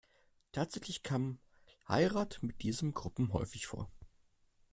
Tatsächlich kam Heirat mit diesen Gruppen häufig vor.